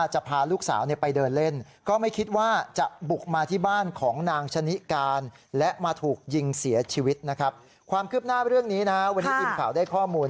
ชีวิตนะครับความขืบหน้าเรื่องนี้นะวันที่อิ่มข่าวได้ข้อมูล